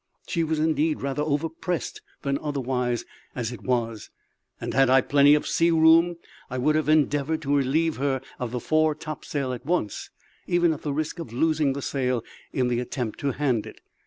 She was indeed rather over pressed than otherwise, as it was, and had I had plenty of sea room I would have endeavoured to relieve her of the fore topsail at once, even at the risk of losing the sail in the attempt to hand it.